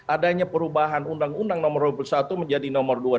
adanya perubahan undang undang nomor dua puluh satu menjadi nomor dua